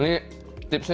jangan lupa untuk mencoba